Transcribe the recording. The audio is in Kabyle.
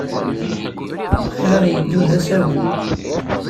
Bɣiɣ ad yeddu d asawen.